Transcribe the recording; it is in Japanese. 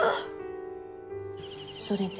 それで？